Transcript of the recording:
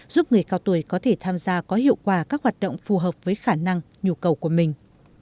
giúp người cao tuổi có thể tham gia có hiệu quả các hoạt động phù hợp với khả năng nhu cầu của mình